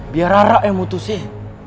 biar rara yang mutus sih